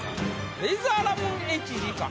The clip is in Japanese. レイザーラモンＨＧか？